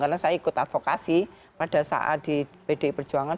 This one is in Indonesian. karena saya ikut advokasi pada saat di pd perjuangan